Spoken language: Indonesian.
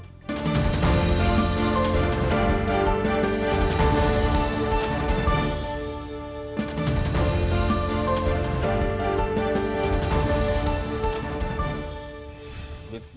dan beri dukungan di